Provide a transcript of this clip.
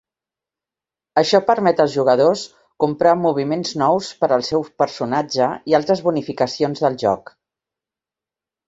Això permet als jugadors comprar moviments nous per al seu personatge i altres bonificacions del joc.